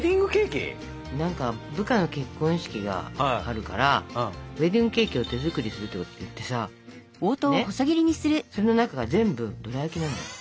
部下の結婚式があるからウエディングケーキを手作りするって言ってさその中が全部どら焼きなのよ。